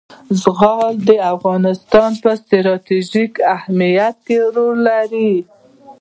زغال د افغانستان په ستراتیژیک اهمیت کې رول لري.